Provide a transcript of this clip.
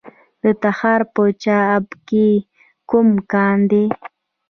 د تخار په چاه اب کې کوم کان دی؟